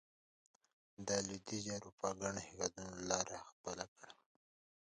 د لوېدیځې اروپا ګڼو هېوادونو لار خپله کړه.